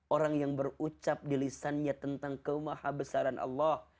orang yang berucap di lisannya tentang kemahabesaran allah